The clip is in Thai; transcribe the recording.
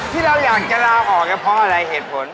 ที่เราอยากจะลาออกก็เพราะอะไรเหตุผล